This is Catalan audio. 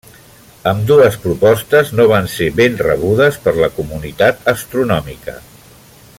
Ambdues propostes no van ser ben rebudes per la comunitat astronòmica.